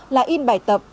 là in bài tập